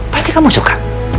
pasti kamu suka